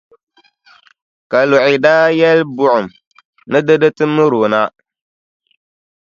Kaluɣi daa yɛli buɣum ni di di ti miri o na.